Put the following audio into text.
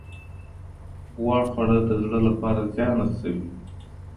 غوړ خواړه د زړه لپاره زیان رسوي.